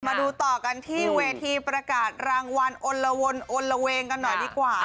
มาดูต่อกันที่เวทีประกาศรางวัลอลละวนอนละเวงกันหน่อยดีกว่า